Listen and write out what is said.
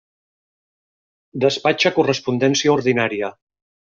Despatxa correspondència ordinària.